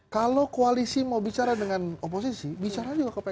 kalau koalisi mau bicara dengan oposisi bicara juga ke pks